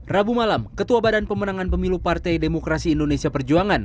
rabu malam ketua badan pemenangan pemilu partai demokrasi indonesia perjuangan